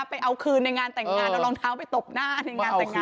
ไปเอาคืนในงานแต่งงานเอารองเท้าไปตบหน้าในงานแต่งงาน